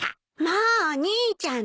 もうお兄ちゃん！